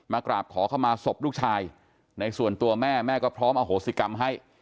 กราบขอเข้ามาศพลูกชายในส่วนตัวแม่แม่ก็พร้อมอโหสิกรรมให้